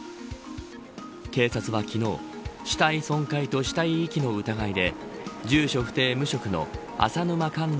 警察は昨日死体損壊と死体遺棄の疑いで住所不定、無職の浅沼かんな